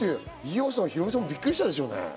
ヒロミさんもびっくりしたでしょうね。